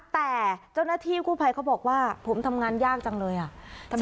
แต่เจ้าหน้าที่กู้ภัยเขาบอกว่าผมทำงานยากจังเลยอ่ะ